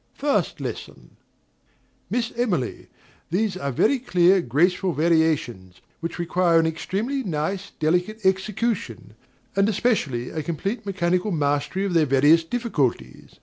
First Lesson. Miss Emily, these are very clear, graceful variations, which require an extremely nice, delicate execution; and, especially, a complete mechanical mastery of their various difficulties.